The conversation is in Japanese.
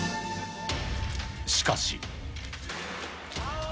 しかし。